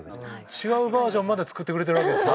違うバージョンまで作ってくれてるわけですか？